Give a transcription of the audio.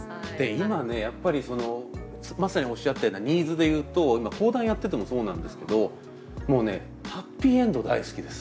今ねやっぱりまさにおっしゃったようなニーズで言うと今講談やっててもそうなんですけどもうねハッピーエンド大好きです。